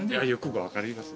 分かります？